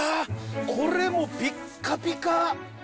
これもうピッカピカ。